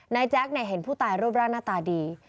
แจ๊คเห็นผู้ตายรูปร่างหน้าตาดี